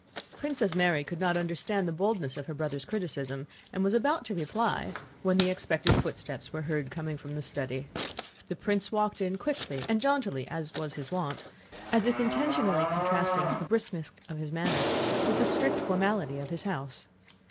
Princess Mary could not understand the boldness of her brother's criticism and was about to reply, when the expected footsteps were heard coming from the study. The prince walked in quickly and jauntily as was his wont, as if intentionally contrasting the briskness of his manners with the strict formality of his house.